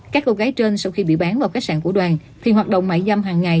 các cô gái trên sau khi bị bán vào khách sạn của đoàn thì hoạt động mại dâm hàng ngày